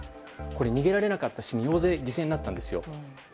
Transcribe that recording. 逃げられなかった市民が大勢犠牲になったんです。